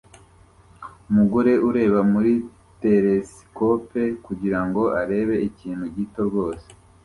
Umugore ureba muri telesikope kugirango arebe ikintu gito rwose